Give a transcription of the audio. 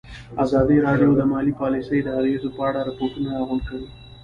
ازادي راډیو د مالي پالیسي د اغېزو په اړه ریپوټونه راغونډ کړي.